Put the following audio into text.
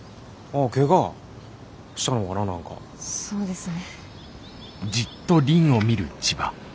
そうですね。